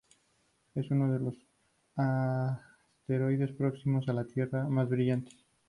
Es uno de los asteroides próximos a la Tierra más brillantes.